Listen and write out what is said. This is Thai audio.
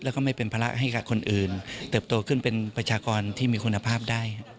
แล้วก็ไม่เป็นภาระให้กับคนอื่นเติบโตขึ้นเป็นประชากรที่มีคุณภาพได้